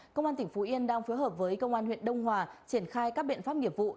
công an tỉnh phú yên đang phối hợp với công an huyện đông hòa triển khai các biện pháp nghiệp vụ